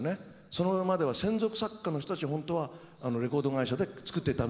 それまでは専属作家の人たち本当はレコード会社で作ってたのを。